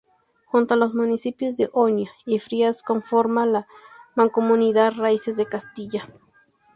Junto a los municipios de Oña y Frías conforma la mancomunidad Raíces de Castilla.